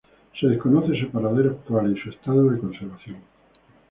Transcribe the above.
Se desconoce su paradero actual y su estado de conservación.